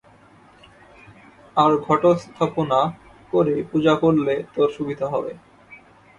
আর ঘটস্থাপনা করে পূজা করলে তোর সুবিধা হবে।